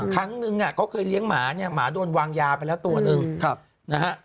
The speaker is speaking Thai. ครั้งนึงเขาเคยเลี้ยงหมาเนี่ยหมาโดนวางยาไปแล้วตัวหนึ่งนะฮะ